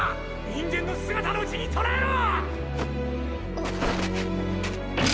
人間の姿のうちに捕らえろ！